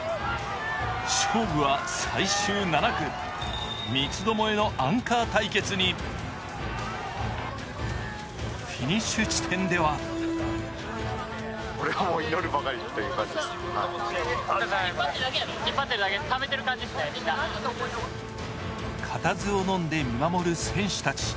勝負は最終７区、三つどもえのアンカー対決にフィニッシュ地点では固唾をのんで見守る選手たち。